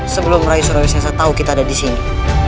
sebelum raihiyah santa tahu kita ada di sini